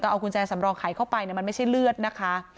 เอากุญแจสำรองไขเข้าไปมันไม่ใช่เลือดนะคะ